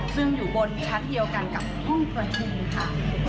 ซึ่งอยู่บนชั้นเดียวกันกับห้องประชุมค่ะ